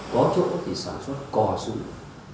có chỗ thì sản xuất cò dùng